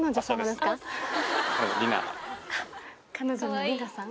彼女のりなさん？